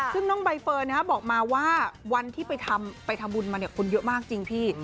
ซึ่งน้องใบเฟิร์นบอกมาว่าวันที่ไปทำบุญมาคนเยอะมากจริงพี่